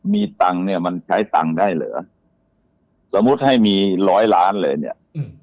มีตังค์เนี่ยมันใช้ตังค์ได้เหรอสมมุติให้มีร้อยล้านเลยเนี่ย